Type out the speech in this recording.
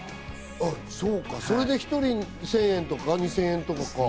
それで１人１０００円とか２０００円とかか。